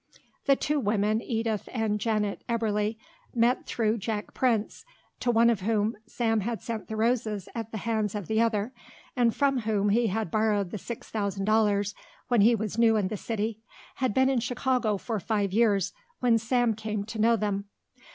The two women, Edith and Janet Eberly, met through Jack Prince, to one of whom Sam had sent the roses at the hands of the other, and from whom he had borrowed the six thousand dollars when he was new in the city, had been in Chicago for five years when Sam came to know them.